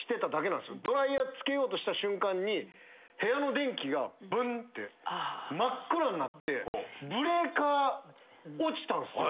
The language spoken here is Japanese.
ドライヤーつけようとした瞬間に部屋の電気がブンって真っ暗になってブレーカー落ちたんすよ。